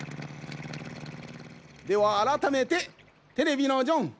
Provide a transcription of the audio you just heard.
ではあらためてテレビのジョン。